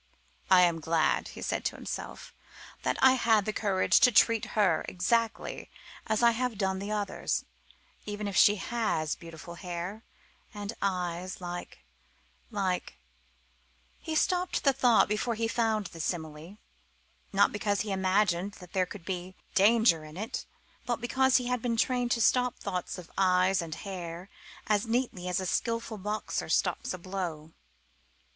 "I am glad," he said to himself, "that I had the courage to treat her exactly as I have done the others even if she has beautiful hair, and eyes like like " He stopped the thought before he found the simile not because he imagined that there could be danger in it, but because he had been trained to stop thoughts of eyes and hair as neatly as a skilful boxer stops a blow.